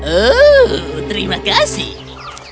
oh terima kasih